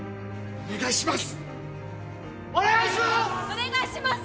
お願いします！